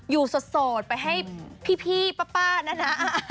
อยู่โสดไปให้พี่ป้านะนะ